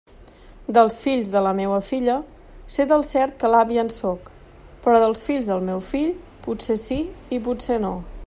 Dels fills de la meua filla, sé del cert que l'àvia en sóc; però dels fills del meu fill, potser sí i potser no.